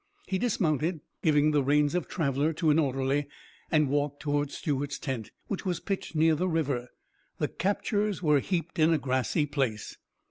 He dismounted, giving the reins of Traveller to an orderly, and walked toward Stuart's tent, which was pitched near the river. The "captures" were heaped in a grassy place.